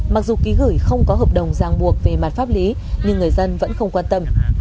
mặc dù ký gửi không có hợp đồng giang buộc về mặt pháp lý nhưng người dân vẫn không quan tâm